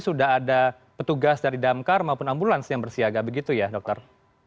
sudah ada petugas dari damkar maupun ambulans yang bersiaga begitu ya dokter